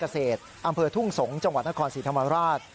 เกษตรอำเภอทุ่งสงศ์จังหวัดนครศรีธรรมราช